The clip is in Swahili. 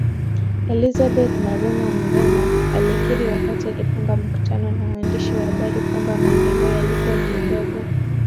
Elizabeth Maruma Mrema alikiri wakati akifunga mkutano na waandishi wa habari kwamba maendeleo yalikuwa kidogo